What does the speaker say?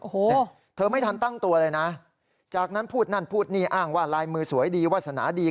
โอ้โหเธอไม่ทันตั้งตัวเลยนะจากนั้นพูดนั่นพูดนี่อ้างว่าลายมือสวยดีวาสนาดี